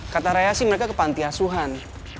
kata rea sih mereka kepantiasuhan